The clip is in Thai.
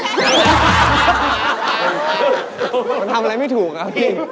มันทำอะไรไม่ถูกอะพี่